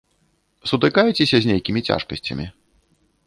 Сутыкаецеся з нейкімі цяжкасцямі?